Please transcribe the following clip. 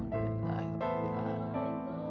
masuk masuk ayu iwan silahkan